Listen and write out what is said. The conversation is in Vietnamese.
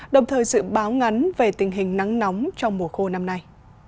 đồng thời dự báo ngắn về tình hình nắng nóng trong mùa khô năm nay